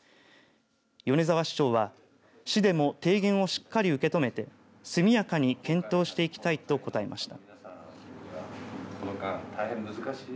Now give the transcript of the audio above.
米沢市長は市でも提言をしっかり受け止めて速やかに検討していきたいと答えました。